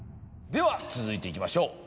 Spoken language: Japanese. では続いていきましょう。